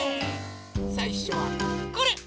さいしょはこれ！